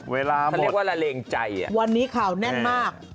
เวลาหมดวันนี้ข่าวแน่นมาก